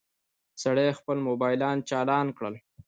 سړي خپل موبايل چالان کړ.